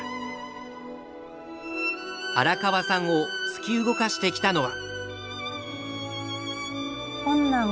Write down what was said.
荒川さんを突き動かしてきたのは。